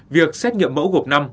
việc xét nghiệm mẫu gộp năm